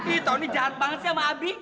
ih tony jahat banget sih sama abi